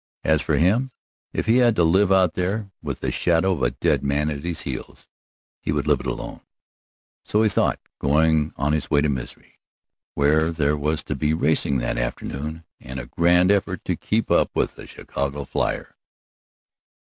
As for him, if he had to live it out there, with the shadow of a dead man at his heels, he would live it alone. So he thought, going on his way to Misery, where there was to be racing that afternoon, and a grand effort to keep up with the Chicago flier.